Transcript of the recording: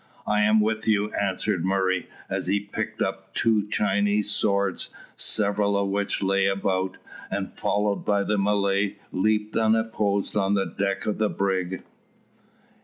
"I am with you," answered Murray, as they picked up two Chinese swords, several of which lay about, and, followed by the Malay, leaped unopposed on the deck of the brig.